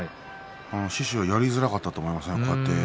獅司はやりづらかったと思います。